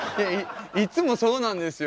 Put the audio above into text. いっつもそうなんですよ。